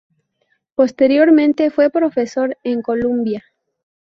Posteriormente fue profesor en Columbia.